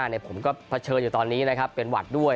ในผมก็เผชิญตอนนี้นะครับเป็นวัตรด้วย